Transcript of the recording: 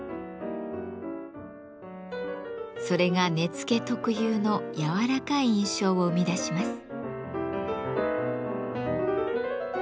それが根付特有の柔らかい印象を生み出します。